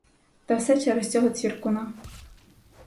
Та все через цього цвіркуна.